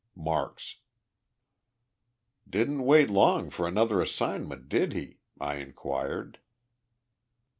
MARKS. "Didn't wait long for another assignment, did he?" I inquired.